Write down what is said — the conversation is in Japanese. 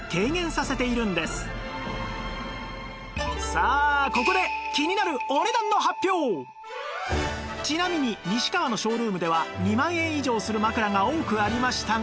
さあここでちなみに西川のショールームでは２万円以上する枕が多くありましたが